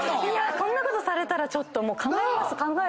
そんなことされたら考えます。